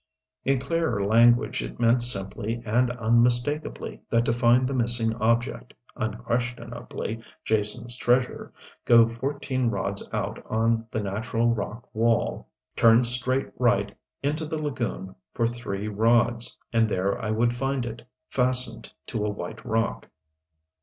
In clearer language, it meant simply and unmistakably, that to find the missing object unquestionably Jason's treasure go fourteen rods out on the natural rock wall, turn straight right into the lagoon for three rods, and there I would find it fastened to a white rock.